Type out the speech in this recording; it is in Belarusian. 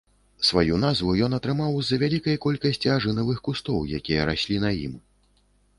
Сваю назву ён атрымаў з-за вялікай колькасці ажынавых кустоў, якія раслі на ім.